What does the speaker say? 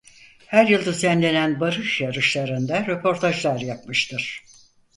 Her yıl düzenlenen barış yarışlarında röportajlar yapmıştır.